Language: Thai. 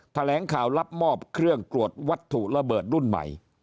แถลงข่าวรับมอบเครื่องตรวจวัตถุระเบิดรุ่นใหม่